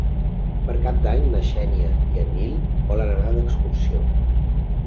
Per Cap d'Any na Xènia i en Nil volen anar d'excursió.